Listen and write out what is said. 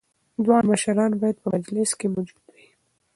دواړه مشران باید په مجلس کي موجود وي.